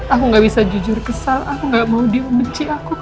aku gak bisa jujur kesal aku gak mau dibenci aku